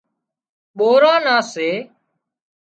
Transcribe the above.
ٻوران نان سي